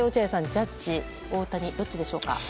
ジャッジと大谷どっちでしょうか。